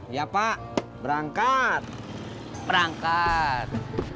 iya pak berangkat